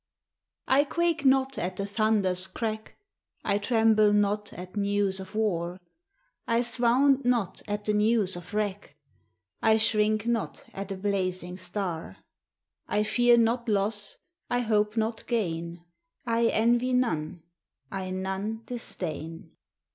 I quake not at the thunder's crack ; I tremble not at news of war; I swound not at the news of wrack; I shrink not at a blazing star ; I fear not loss, I hope not gain, I envy none, I none disdain.